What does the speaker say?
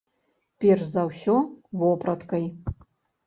Перш за ўсё, вопраткай.